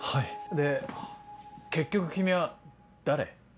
で結局君は誰？